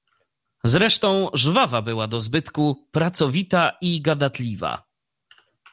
"Zresztą żwawa była do zbytku, pracowita i gadatliwa."